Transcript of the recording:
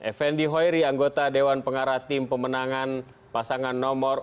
effendi hoiri anggota dewan pengarah tim pemenangan pasangan nomor